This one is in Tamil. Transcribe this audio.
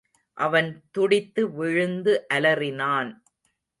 அவன் துடித்து விழுந்து அலறினான்.